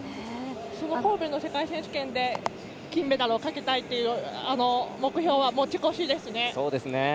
その神戸の世界選手権で金メダルをかけたいっていうあの目標は持ち越しですね。